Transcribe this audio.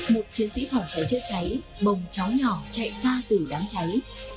một chiến sĩ phòng cháy chữa cháy bồng cháu nhỏ chạy ra từ đám cháy